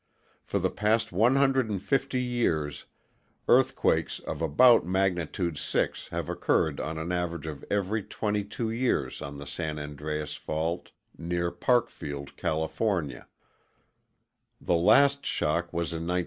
For the past 150 years, earthquakes of about magnitude 6 have occurred an average of every 22 years on the San Andreas fault near Parkfield, California. The last shock was in 1966.